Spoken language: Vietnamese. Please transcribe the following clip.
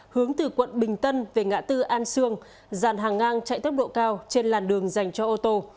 hướng từ quận bình tân về ngã tư an sương dàn hàng ngang chạy tốc độ cao trên làn đường dành cho ô tô